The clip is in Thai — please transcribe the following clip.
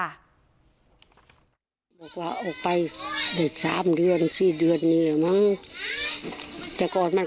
๑๑โน้ทหรือ๙โน้ทก็กลับ๔ทุ่มทุ่งหลังเทือกเขาก็ไปนอนอยู่ที่ตัวค์นี่